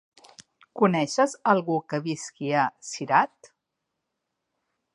Coneixes algú que visqui a Cirat?